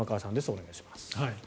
お願いします。